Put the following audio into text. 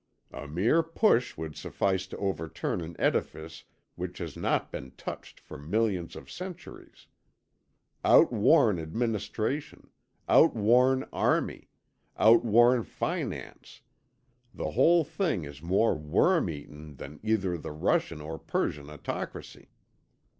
A mere push would suffice to overturn an edifice which has not been touched for millions of centuries. Out worn administration, out worn army, out worn finance, the whole thing is more worm eaten than either the Russian or Persian autocracy."